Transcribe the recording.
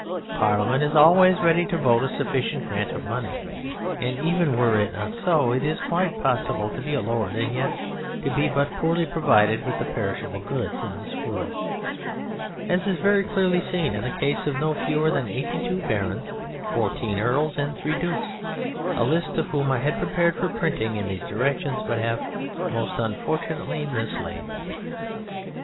Parliament is always ready to vote a sufficient grant of money, and even were it not so, it is quite possible to be a Lord and yet to be but poorly provided with the perishable goods of this world, as is very clearly seen in the case of no fewer than eighty two Barons, fourteen Earls, and three dukes, a list of whom I had prepared for printing in these directions but have most unfortunately mislaid.